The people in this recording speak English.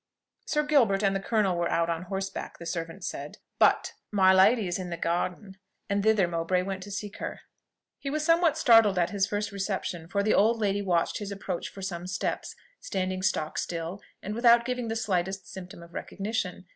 Sir Gilbert and the colonel were out on horseback, the servant said but "my lady is in the garden." And thither Mowbray went to seek her. He was somewhat startled at his first reception; for the old lady watched his approach for some steps, standing stock still, and without giving the slightest symptom of recognition.